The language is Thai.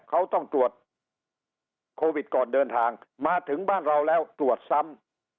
เขาต้องตรวจโควิดก่อนเดินทางมาถึงบ้านเราแล้วตรวจซ้ำ